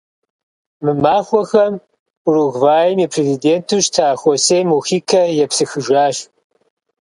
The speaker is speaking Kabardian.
Мы махуэхэм Уругваим и президенту щыта Хосе Мухикэ епсыхыжащ.